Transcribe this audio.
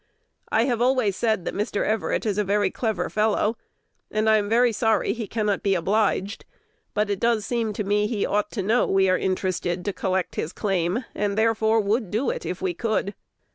I have always said that Mr. Everett is a very clever fellow, and I am very sorry he cannot be obliged; but it does seem to me he ought to know we are interested to collect his claim, and therefore would do it if we could.